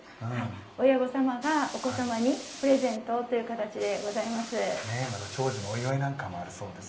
親御様がお子様にプレゼントという形でございます。